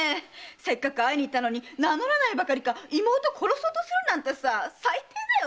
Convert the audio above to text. せっかく会いに行ったのに名乗らないばかりか妹を殺そうとするなんて最低だよ